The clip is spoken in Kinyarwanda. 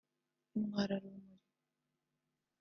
Intwararumuri